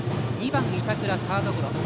２番、板倉、サードゴロ。